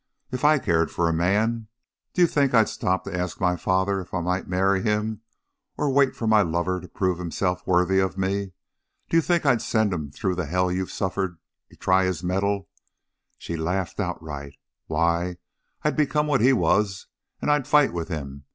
If I cared for a man, do you think I'd stop to ask my father if I might marry him or wait for my lover to prove himself worthy of me? Do you think I'd send him through the hell you have suffered to try his metal?" She laughed outright. "Why, I'd become what he was, and I'd fight with him.